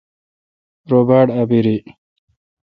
رو باڑ اعبیری۔